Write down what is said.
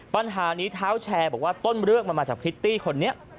ปัญหานี้เท้าแชร์บอกว่าต้นเรื่องมันมาจากพริตตี้คนนี้